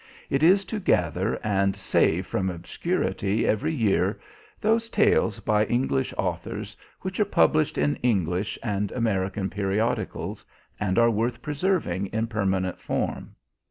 It is to gather and save from obscurity every year those tales by English authors which are published in English and American periodicals and are worth preserving in permanent form.